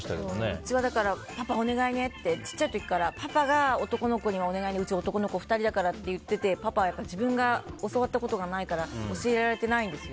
うちはパパお願いねって小さいころからお願いって、うち男の子２人だからって言っていてパパは自分が教わったことがないから教えられてないんです。